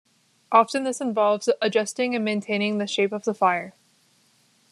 Often this involves adjusting and maintaining the shape of the fire.